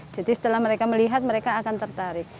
jadi setelah mereka melihat mereka akan tertarik